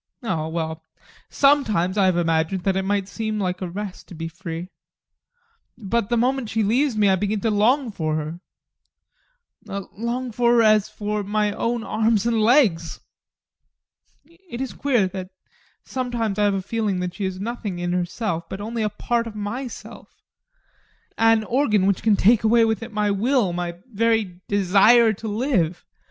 Oh, well, sometimes I have imagined that it might seem like a rest to be free. But the moment she leaves me, I begin to long for her long for her as for my own arms and legs. It is queer that sometimes I have a feeling that she is nothing in herself, but only a part of myself an organ that can take away with it my will, my very desire to live.